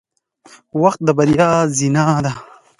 • وخت د بریا زینه ده.